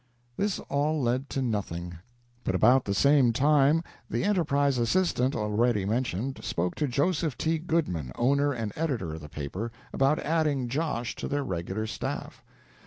This all led to nothing, but about the same time the "Enterprise" assistant already mentioned spoke to Joseph T. Goodman, owner and editor of the paper, about adding "Josh" to their regular staff.